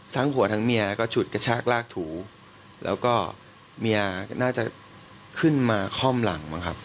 หัวทั้งเมียก็ฉุดกระชากลากถูแล้วก็เมียน่าจะขึ้นมาคล่อมหลังบ้างครับ